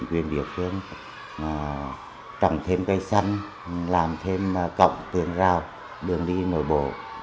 quyền biệt thương trồng thêm cây xanh làm thêm cọng tường rào đường đi ngồi bộ